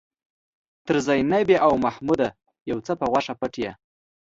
تر زينبې او محموده يو څه په غوښه پټ يې.